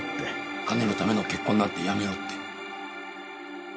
金のための結婚なんてやめろって。